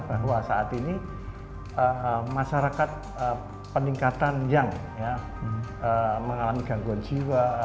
bahwa saat ini masyarakat peningkatan yang mengalami gangguan jiwa